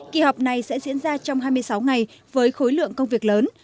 kỳ họp này sẽ diễn ra trong hai mươi sáu ngày với khối lượng công việc lớn